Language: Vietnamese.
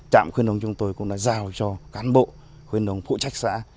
trạm khuyên đồng chúng tôi cũng đã giao cho cán bộ khuyên đồng phụ trách xã